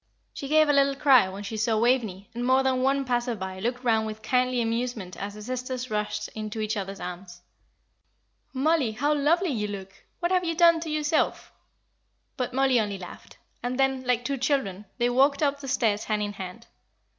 She gave a little cry when she saw Waveney, and more than one passer by looked round with kindly amusement as the sisters rushed into each other's arms. "Oh, Mollie, how lovely you look! What have you done to yourself?" But Mollie only laughed. And then, like two children, they walked up the stairs hand in hand.